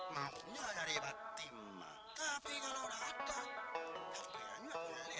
maafnya nyari fatima tapi kalau ada pasti anak beli ya